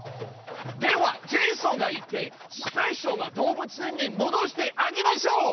ではジェイソンが行ってスペシャルな動物園にもどしてあげましょう！